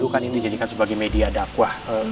kan ini dijadikan sebagai media dakwah